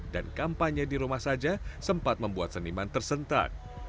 dan kampanye di rumah saja sempat membuat seniman tersentak